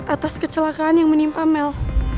atas kecelakaan yang menimpa mel